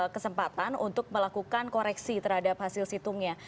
kesempatan untuk melakukan koreksi terhadap hasil situngnya